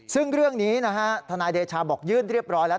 ซึ่งเรื่องนี้นะฮะทนายเดชาบอกยื่นเรียบร้อยแล้ว